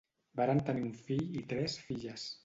Varen tenir un fill i tres filles.